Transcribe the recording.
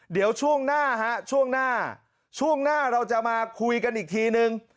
เดี๋ยวช่วงหน้าฮะช่วงหน้าช่วงหน้าเราจะมาคุยกันอีกทีนึง